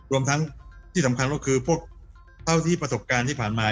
รวมทั้งที่สำคัญก็คือพวกเท่าที่ประสบการณ์ที่ผ่านมา